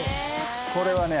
これはね